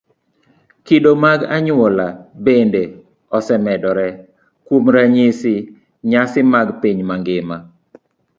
Kido mag anyuola bende osemedore. Kuom ranyisi, nyasi mag piny mangima